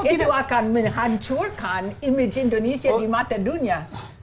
itu akan menghancurkan image indonesia di mata dunia